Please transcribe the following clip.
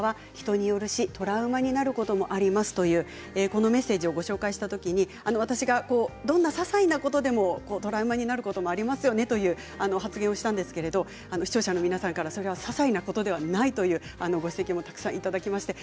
このメッセージをご紹介したときに私がどんなささいなことでもトラウマになることもありますよねという発言をしたんですけれど視聴者の皆さんからそれは、ささいなことではないというご指摘もたくさんいただきました。